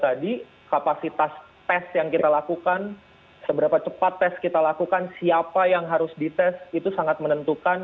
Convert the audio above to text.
tadi kapasitas tes yang kita lakukan seberapa cepat tes kita lakukan siapa yang harus dites itu sangat menentukan